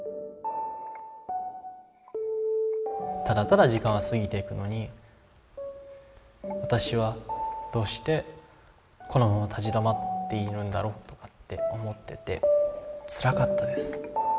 ただただ時間は過ぎていくのに私はどうしてこのまま立ち止まっているんだろうとかって思っててつらかったです。